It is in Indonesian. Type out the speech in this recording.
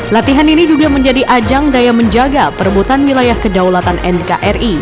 latihan ini juga menjadi ajang daya menjaga perebutan wilayah kedaulatan nkri